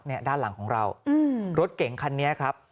ด้านหลังของเรารถเก่งคันนี้ครับ